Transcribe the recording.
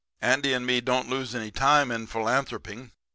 "Andy and me didn't lose any time in philanthropping.